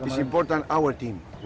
karena mereka juga menang